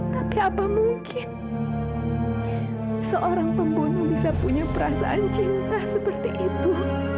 tapi apa mungkin seorang pembunuh bisa punya perasaan cinta seperti itu